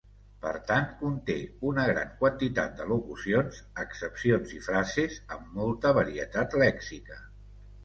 Per tant, conté una gran quantitat de locucions, accepcions i frases, amb molta varietat lèxica.